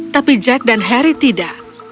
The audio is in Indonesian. tapi jack dan harry tidak